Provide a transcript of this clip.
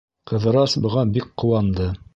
Ҡыҙырас быға бик ҡыуанды.